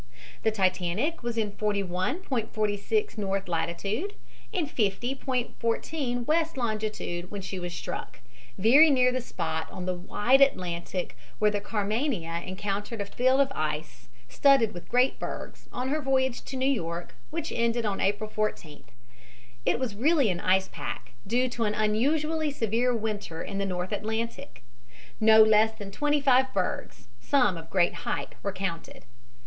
The Titanic was in 41.46 north latitude and 50.14 west longitude when she was struck, very near the spot on the wide Atlantic where the Carmania encountered a field of ice, studded with great bergs, on her voyage to New York which ended on April 14th. It was really an ice pack, due to an unusually severe winter in the north Atlantic. No less than twenty five bergs, some of great height, were counted.